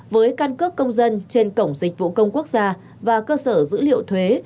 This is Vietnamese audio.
với căn cước công dân trên cổng dịch vụ công quốc gia và cơ sở dữ liệu thuế